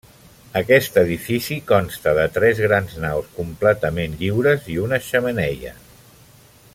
Aquest edifici consta de tres grans naus completament lliures i una xemeneia.